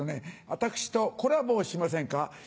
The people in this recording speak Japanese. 私とコラボをしませんか？